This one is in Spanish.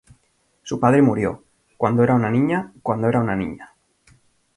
Su padre murió, cuando era una niña, cuando era una niña.